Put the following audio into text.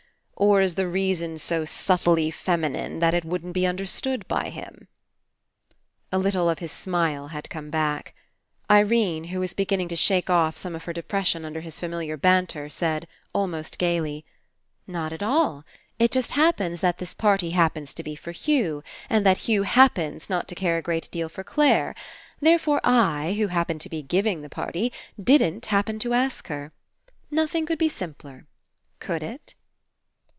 Or is the reason so subtly feminine that it wouldn't be understood by him?" A little of his smile had come back. 157 PASSING Irene, who was beginning to shake off some of her depression under his famlHar banter, said, almost gaily: "Not at all. It just happens that this party happens to be for Hugh, and that Hugh happens not to care a great deal for Clare; therefore I, who happen to be giving the party, didn't happen to ask her. Nothing could be simpler. Could it?"